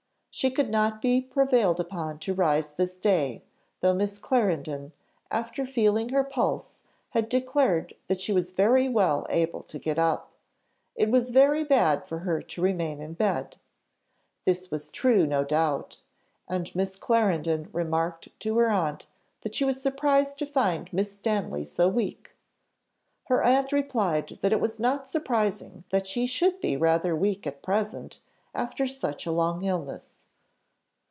She could not be prevailed upon to rise this day, though Miss Clarendon, after feeling her pulse, had declared that she was very well able to get up. "It was very bad for her to remain in bed." This was true, no doubt. And Miss Clarendon remarked to her aunt that she was surprised to find Miss Stanley so weak. Her aunt replied that it was not surprising that she should be rather weak at present, after such a long illness.